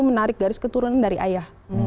menarik garis keturunan dari ayah